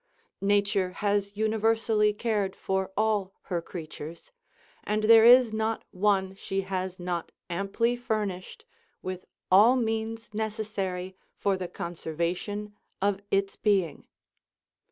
Nature has universally cared for all her creatures, and there is not one she has not amply furnished with all means necessary for the conservation of its being.